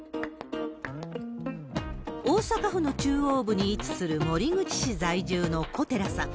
大阪府の中央部に位置する守口市在住の古寺さん。